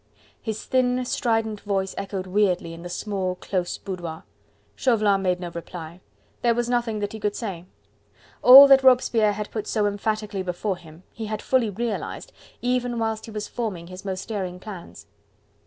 His thin, strident voice echoed weirdly in the small, close boudoir. Chauvelin made no reply. There was nothing that he could say. All that Robespierre had put so emphatically before him, he had fully realised, even whilst he was forming his most daring plans.